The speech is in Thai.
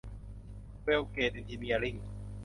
เวล เกรด เอ็นจิเนียริ่ง